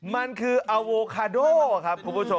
มันคือเอาโฯคารโดครับ